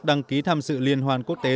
đăng ký thăm sự liên hoàn quốc tế